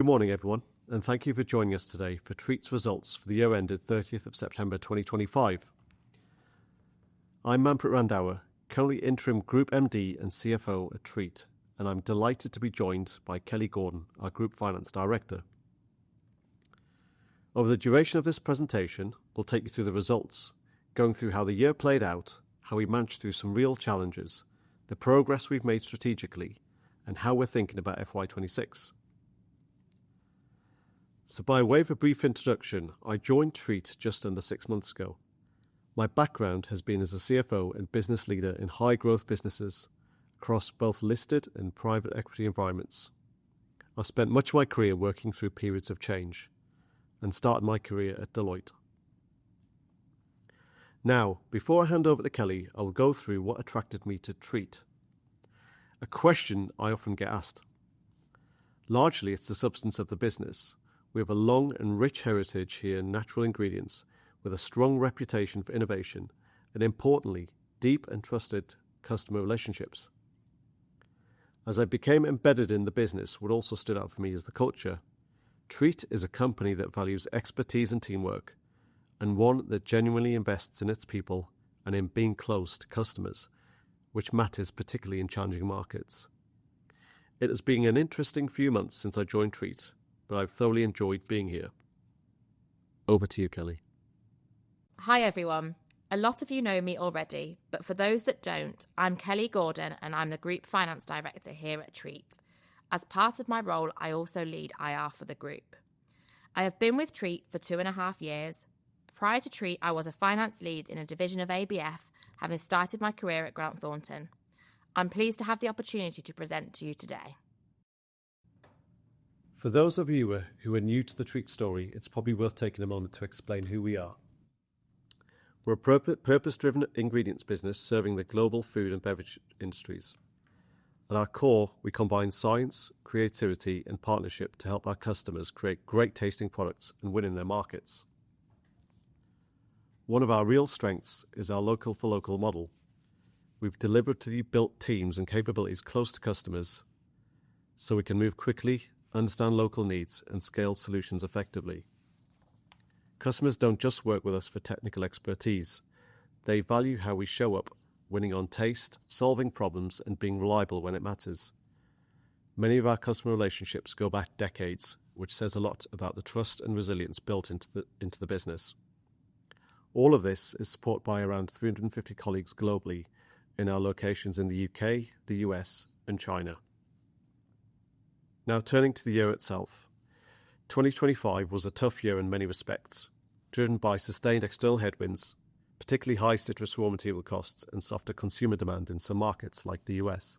Good morning, everyone, and thank you for joining us today for Treatt's results for the year ended 30th of September 2025. I'm Manpreet Randhawa, currently interim Group MD and CFO at Treatt, and I'm delighted to be joined by Kelly Gordon, our Group Finance Director. Over the duration of this presentation, we'll take you through the results, going through how the year played out, how we managed through some real challenges, the progress we've made strategically, and how we're thinking about FY26. So, by way of a brief introduction, I joined Treatt just under six months ago. My background has been as a CFO and business leader in high-growth businesses across both listed and private equity environments. I've spent much of my career working through periods of change and started my career at Deloitte. Now, before I hand over to Kelly, I'll go through what attracted me to Treatt, a question I often get asked. Largely, it's the substance of the business. We have a long and rich heritage here in natural ingredients, with a strong reputation for innovation and, importantly, deep and trusted customer relationships. As I became embedded in the business, what also stood out for me is the culture. Treatt is a company that values expertise and teamwork, and one that genuinely invests in its people and in being close to customers, which matters particularly in challenging markets. It has been an interesting few months since I joined Treatt, but I've thoroughly enjoyed being here. Over to you, Kelly. Hi, everyone. A lot of you know me already, but for those that don't, I'm Kelly Gordon, and I'm the Group Finance Director here at Treatt. As part of my role, I also lead IR for the group. I have been with Treatt for two and a half years. Prior to Treatt, I was a finance lead in a division of ABF, having started my career at Grant Thornton. I'm pleased to have the opportunity to present to you today. For those of you who are new to the Treatt story, it's probably worth taking a moment to explain who we are. We're a purpose-driven ingredients business serving the global food and beverage industries. At our core, we combine science, creativity, and partnership to help our customers create great-tasting products and win in their markets. One of our real strengths is our local-for-local model. We've deliberately built teams and capabilities close to customers so we can move quickly, understand local needs, and scale solutions effectively. Customers don't just work with us for technical expertise. They value how we show up, winning on taste, solving problems, and being reliable when it matters. Many of our customer relationships go back decades, which says a lot about the trust and resilience built into the business. All of this is supported by around 350 colleagues globally in our locations in the U.K., the U.S., and China. Now, turning to the year itself, 2025 was a tough year in many respects, driven by sustained external headwinds, particularly high citrus raw material costs and softer consumer demand in some markets like the U.S.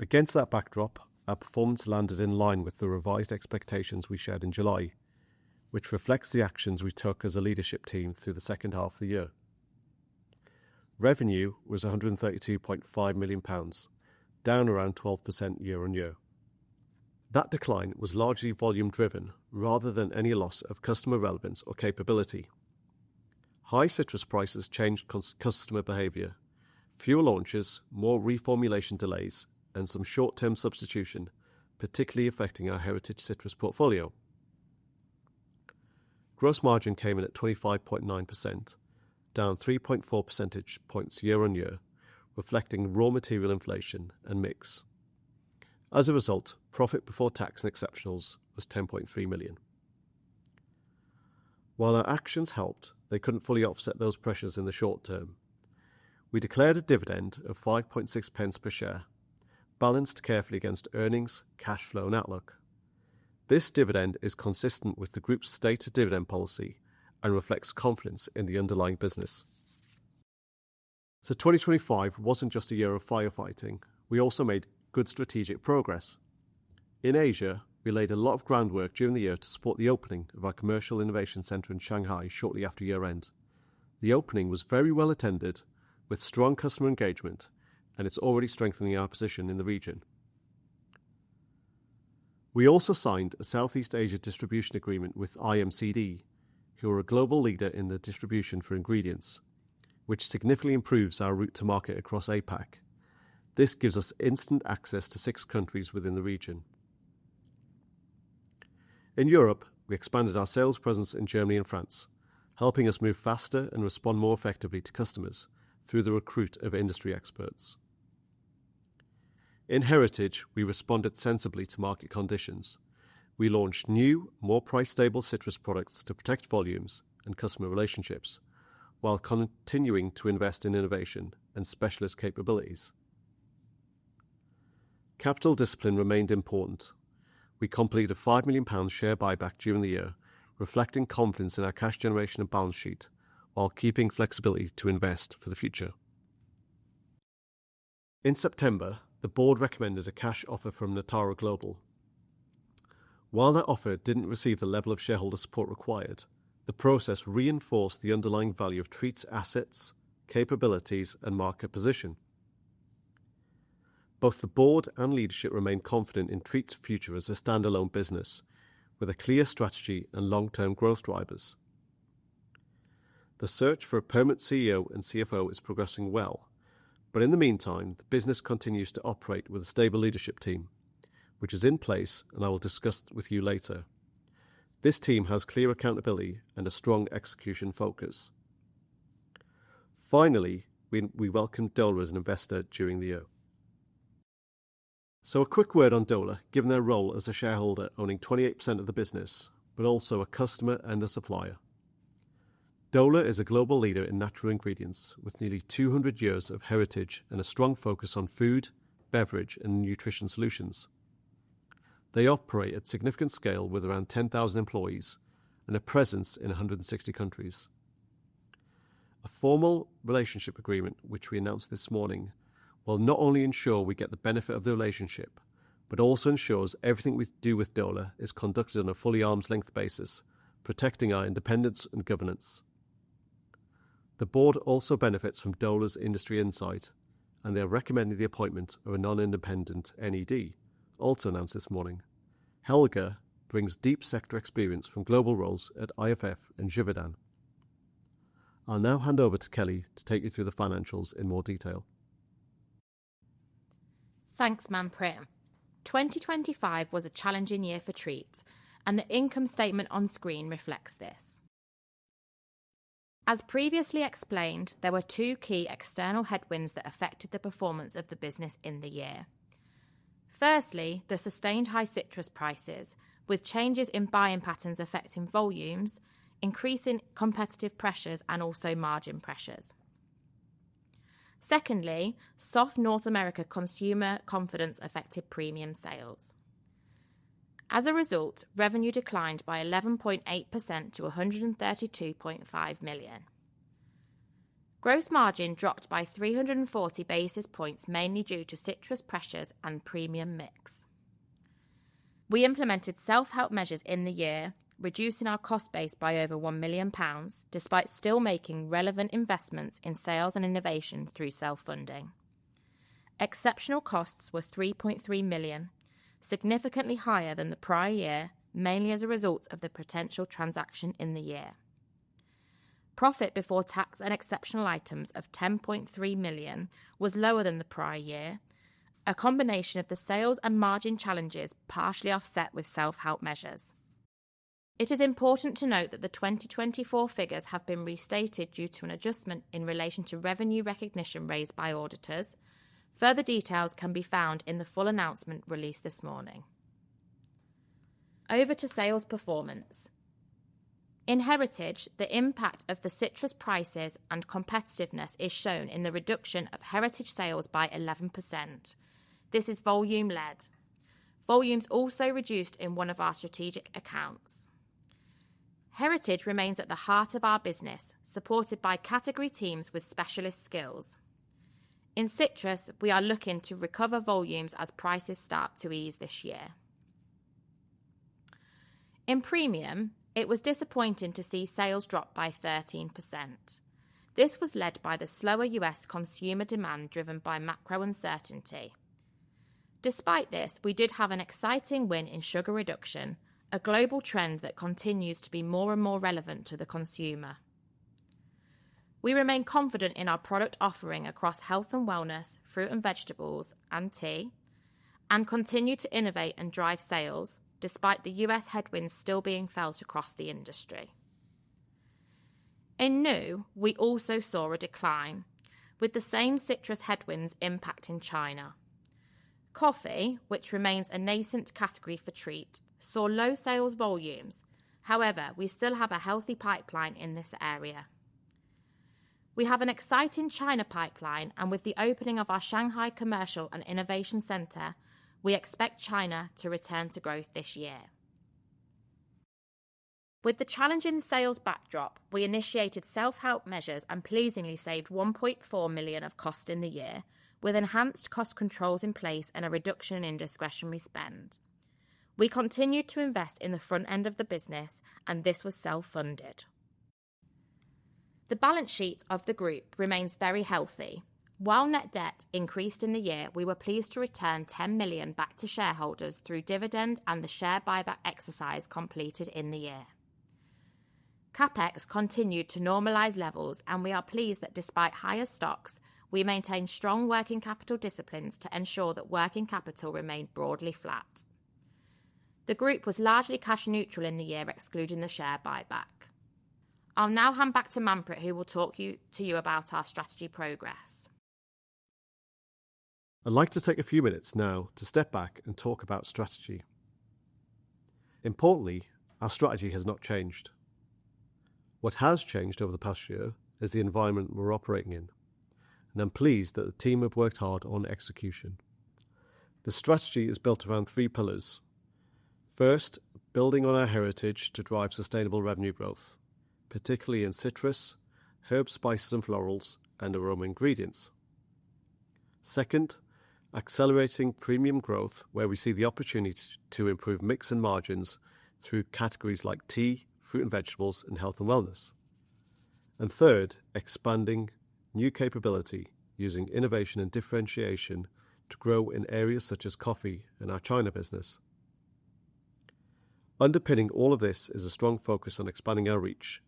Against that backdrop, our performance landed in line with the revised expectations we shared in July, which reflects the actions we took as a leadership team through the second half of the year. Revenue was 132.5 million pounds, down around 12% year on year. That decline was largely volume-driven rather than any loss of customer relevance or capability. High citrus prices changed customer behavior. Fewer launches, more reformulation delays, and some short-term substitution particularly affecting our heritage citrus portfolio. Gross margin came in at 25.9%, down 3.4 percentage points year on year, reflecting raw material inflation and mix. As a result, profit before tax and exceptionals was 10.3 million. While our actions helped, they couldn't fully offset those pressures in the short term. We declared a dividend of 5.6 per share, balanced carefully against earnings, cash flow, and outlook. This dividend is consistent with the group's stated dividend policy and reflects confidence in the underlying business. So, 2025 wasn't just a year of firefighting. We also made good strategic progress. In Asia, we laid a lot of groundwork during the year to support the opening of our Commercial and Innovation Center in Shanghai shortly after year-end. The opening was very well attended, with strong customer engagement, and it's already strengthening our position in the region. We also signed a Southeast Asia distribution agreement with IMCD, who are a global leader in the distribution for ingredients, which significantly improves our route to market across APAC. This gives us instant access to six countries within the region. In Europe, we expanded our sales presence in Germany and France, helping us move faster and respond more effectively to customers through the recruitment of industry experts. In heritage, we responded sensibly to market conditions. We launched new, more price-stable citrus products to protect volumes and customer relationships, while continuing to invest in innovation and specialist capabilities. Capital discipline remained important. We completed a 5 million pound share buyback during the year, reflecting confidence in our cash generation and balance sheet while keeping flexibility to invest for the future. In September, the board recommended a cash offer from Natara Global. While that offer didn't receive the level of shareholder support required, the process reinforced the underlying value of Treatt's assets, capabilities, and market position. Both the board and leadership remained confident in Treatt's future as a standalone business, with a clear strategy and long-term growth drivers. The search for a permanent CEO and CFO is progressing well, but in the meantime, the business continues to operate with a stable leadership team, which is in place, and I will discuss with you later. This team has clear accountability and a strong execution focus. Finally, we welcomed Döhler as an investor during the year. So, a quick word on Döhler, given their role as a shareholder owning 28% of the business, but also a customer and a supplier. Döhler is a global leader in natural ingredients with nearly 200 years of heritage and a strong focus on food, beverage, and nutrition solutions. They operate at significant scale with around 10,000 employees and a presence in 160 countries. A formal relationship agreement, which we announced this morning, will not only ensure we get the benefit of the relationship, but also ensures everything we do with Döhler is conducted on a fully arm's-length basis, protecting our independence and governance. The board also benefits from Döhler's industry insight, and they are recommending the appointment of a non-independent NED, also announced this morning. Helga brings deep sector experience from global roles at IFF and Givaudan. I'll now hand over to Kelly to take you through the financials in more detail. Thanks, Manpreet. 2025 was a challenging year for Treatt, and the income statement on screen reflects this. As previously explained, there were two key external headwinds that affected the performance of the business in the year. Firstly, the sustained high citrus prices, with changes in buying patterns affecting volumes, increasing competitive pressures and also margin pressures. Secondly, soft North America consumer confidence affected premium sales. As a result, revenue declined by 11.8% to 132.5 million. Gross margin dropped by 340 basis points, mainly due to citrus pressures and premium mix. We implemented self-help measures in the year, reducing our cost base by over 1 million pounds, despite still making relevant investments in sales and innovation through self-funding. Exceptional costs were 3.3 million, significantly higher than the prior year, mainly as a result of the potential transaction in the year. Profit before tax and exceptional items of 10.3 million was lower than the prior year, a combination of the sales and margin challenges partially offset with self-help measures. It is important to note that the 2024 figures have been restated due to an adjustment in relation to revenue recognition raised by auditors. Further details can be found in the full announcement released this morning. Over to sales performance. In heritage, the impact of the citrus prices and competitiveness is shown in the reduction of heritage sales by 11%. This is volume-led. Volumes also reduced in one of our strategic accounts. Heritage remains at the heart of our business, supported by category teams with specialist skills. In citrus, we are looking to recover volumes as prices start to ease this year. In premium, it was disappointing to see sales drop by 13%. This was led by the slower U.S. consumer demand driven by macro uncertainty. Despite this, we did have an exciting win in sugar reduction, a global trend that continues to be more and more relevant to the consumer. We remain confident in our product offering across health and wellness, fruit and vegetables, and tea, and continue to innovate and drive sales, despite the U.S. headwinds still being felt across the industry. In new, we also saw a decline, with the same citrus headwinds impacting China. Coffee, which remains a nascent category for Treatt, saw low sales volumes. However, we still have a healthy pipeline in this area. We have an exciting China pipeline, and with the opening of our Shanghai Commercial and Innovation Center, we expect China to return to growth this year. With the challenging sales backdrop, we initiated self-help measures and pleasingly saved 1.4 million of cost in the year, with enhanced cost controls in place and a reduction in discretionary spend. We continued to invest in the front end of the business, and this was self-funded. The balance sheet of the group remains very healthy. While net debt increased in the year, we were pleased to return 10 million back to shareholders through dividend and the share buyback exercise completed in the year. CapEx continued to normalize levels, and we are pleased that despite higher stocks, we maintained strong working capital disciplines to ensure that working capital remained broadly flat. The group was largely cash neutral in the year, excluding the share buyback. I'll now hand back to Manpreet, who will talk to you about our strategy progress. I'd like to take a few minutes now to step back and talk about strategy. Importantly, our strategy has not changed. What has changed over the past year is the environment we're operating in, and I'm pleased that the team have worked hard on execution. The strategy is built around three pillars. First, building on our heritage to drive sustainable revenue growth, particularly in citrus, herbs, spices, and florals, and aroma ingredients. Second, accelerating premium growth, where we see the opportunity to improve mix and margins through categories like tea, fruit and vegetables, and health and wellness. And third, expanding new capability using innovation and differentiation to grow in areas such as coffee and our China business. Underpinning all of this is a strong focus on expanding our reach,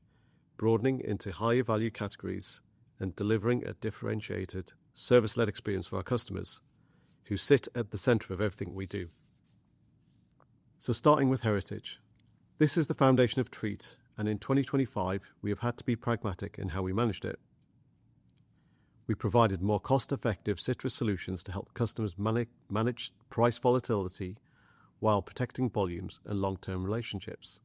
broadening into higher value categories, and delivering a differentiated service-led experience for our customers, who sit at the center of everything we do. So, starting with heritage, this is the foundation of Treatt, and in 2025, we have had to be pragmatic in how we managed it. We provided more cost-effective citrus solutions to help customers manage price volatility while protecting volumes and long-term relationships.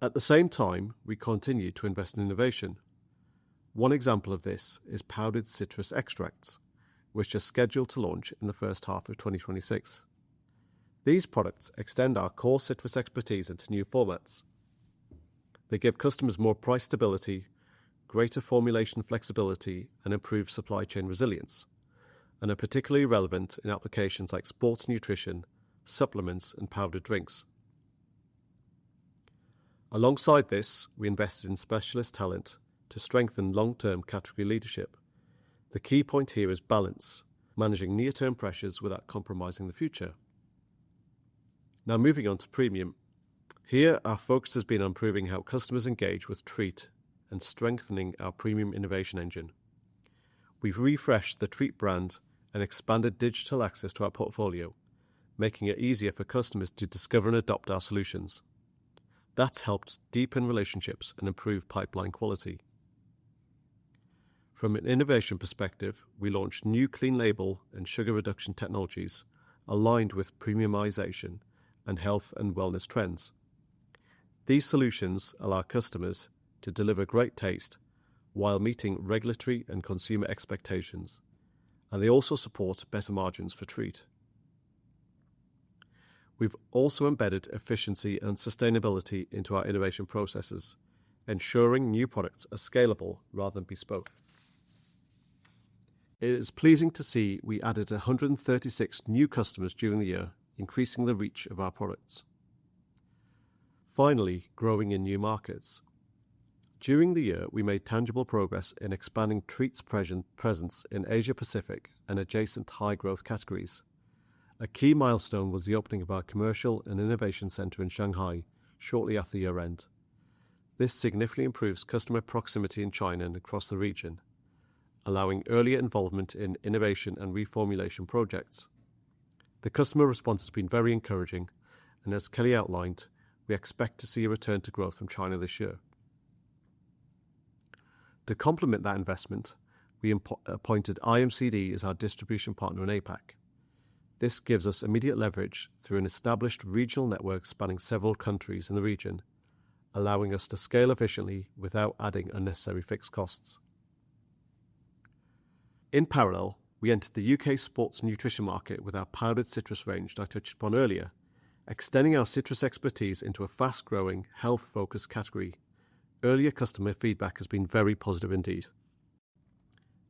At the same time, we continue to invest in innovation. One example of this is powdered citrus extracts, which are scheduled to launch in the first half of 2026. These products extend our core citrus expertise into new formats. They give customers more price stability, greater formulation flexibility, and improved supply chain resilience, and are particularly relevant in applications like sports nutrition, supplements, and powdered drinks. Alongside this, we invested in specialist talent to strengthen long-term category leadership. The key point here is balance, managing near-term pressures without compromising the future. Now, moving on to premium. Here, our focus has been on proving how customers engage with Treatt and strengthening our premium innovation engine. We've refreshed the Treatt brand and expanded digital access to our portfolio, making it easier for customers to discover and adopt our solutions. That's helped deepen relationships and improve pipeline quality. From an innovation perspective, we launched new clean label and sugar reduction technologies aligned with premiumization and health and wellness trends. These solutions allow customers to deliver great taste while meeting regulatory and consumer expectations, and they also support better margins for Treatt. We've also embedded efficiency and sustainability into our innovation processes, ensuring new products are scalable rather than bespoke. It is pleasing to see we added 136 new customers during the year, increasing the reach of our products. Finally, growing in new markets. During the year, we made tangible progress in expanding Treatt's presence in Asia-Pacific and adjacent high-growth categories. A key milestone was the opening of our Commercial and Innovation Center in Shanghai shortly after year-end. This significantly improves customer proximity in China and across the region, allowing earlier involvement in innovation and reformulation projects. The customer response has been very encouraging, and as Kelly outlined, we expect to see a return to growth from China this year. To complement that investment, we appointed IMCD as our distribution partner in APAC. This gives us immediate leverage through an established regional network spanning several countries in the region, allowing us to scale efficiently without adding unnecessary fixed costs. In parallel, we entered the U.K. sports nutrition market with our powdered citrus range that I touched upon earlier, extending our citrus expertise into a fast-growing, health-focused category. Earlier customer feedback has been very positive indeed.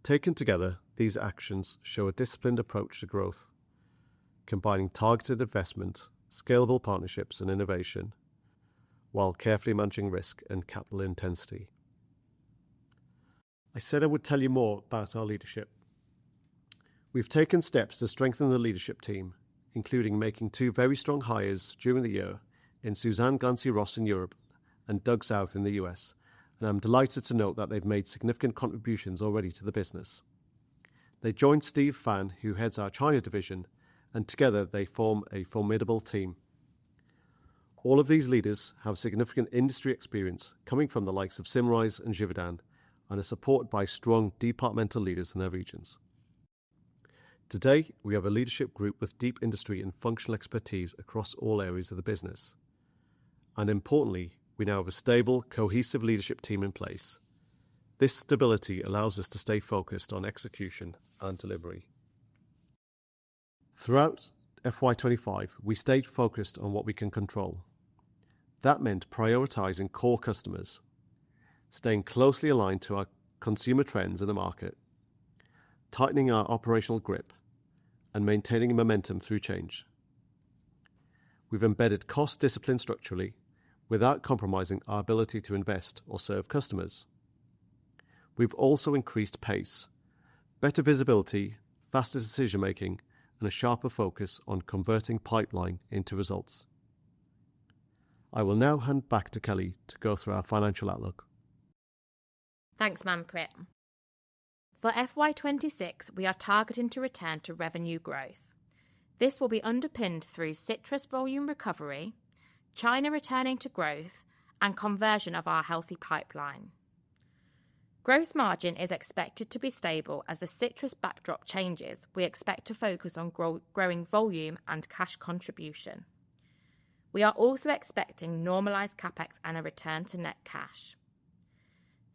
Taken together, these actions show a disciplined approach to growth, combining targeted investment, scalable partnerships, and innovation, while carefully managing risk and capital intensity. I said I would tell you more about our leadership. We've taken steps to strengthen the leadership team, including making two very strong hires during the year in Suzanne Glancy-Ross in Europe and Doug South in the U.S., and I'm delighted to note that they've made significant contributions already to the business. They joined Steve Fan, who heads our China division, and together they form a formidable team. All of these leaders have significant industry experience coming from the likes of Symrise and Givaudan, and are supported by strong departmental leaders in their regions. Today, we have a leadership group with deep industry and functional expertise across all areas of the business. And importantly, we now have a stable, cohesive leadership team in place. This stability allows us to stay focused on execution and delivery. Throughout FY25, we stayed focused on what we can control. That meant prioritizing core customers, staying closely aligned to our consumer trends in the market, tightening our operational grip, and maintaining momentum through change. We've embedded cost discipline structurally without compromising our ability to invest or serve customers. We've also increased pace, better visibility, faster decision-making, and a sharper focus on converting pipeline into results. I will now hand back to Kelly to go through our financial outlook. Thanks, Manpreet. For FY26, we are targeting to return to revenue growth. This will be underpinned through citrus volume recovery, China returning to growth, and conversion of our healthy pipeline. Gross margin is expected to be stable as the citrus backdrop changes. We expect to focus on growing volume and cash contribution. We are also expecting normalized CapEx and a return to net cash.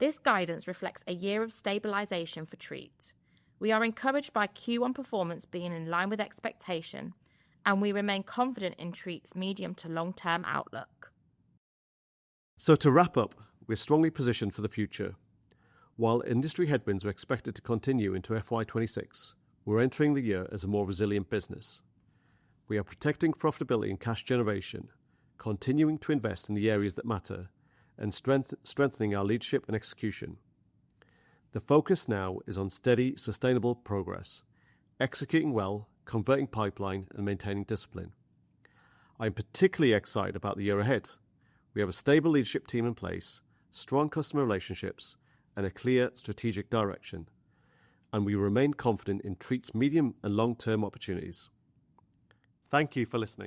This guidance reflects a year of stabilization for Treatt. We are encouraged by Q1 performance being in line with expectation, and we remain confident in Treatt's medium to long-term outlook. So to wrap up, we're strongly positioned for the future. While industry headwinds are expected to continue into FY26, we're entering the year as a more resilient business. We are protecting profitability and cash generation, continuing to invest in the areas that matter, and strengthening our leadership and execution. The focus now is on steady, sustainable progress, executing well, converting pipeline, and maintaining discipline. I'm particularly excited about the year ahead. We have a stable leadership team in place, strong customer relationships, and a clear strategic direction, and we remain confident in Treatt's medium and long-term opportunities. Thank you for listening.